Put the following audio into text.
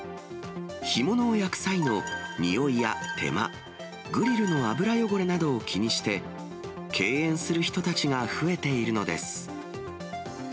干物を焼く際のにおいや手間、グリルの油汚れなどを気にして、敬遠する人たちが増えているのです。